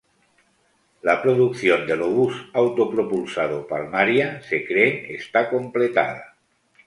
La producción del obús autopropulsado "Palmaria" se cree está completada.